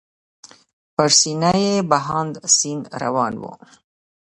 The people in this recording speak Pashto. پر سینه یې بهاند سیند روان و.